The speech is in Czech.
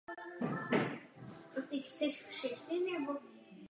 Nesmíme ustoupit.